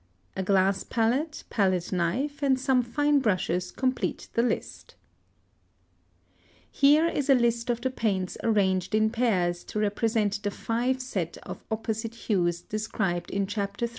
A glass palette, palette knife, and some fine brushes complete the list. [Footnote 28: See paragraph 65.] (104) Here is a list of the paints arranged in pairs to represent the five sets of opposite hues described in Chapter III.